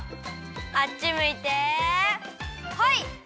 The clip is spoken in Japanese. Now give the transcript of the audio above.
あっちむいてホイ！